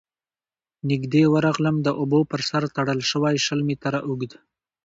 ، نږدې ورغلم، د اوبو پر سر تړل شوی شل متره اوږد،